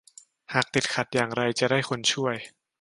หากติดขัดอย่างไรจะได้คนช่วย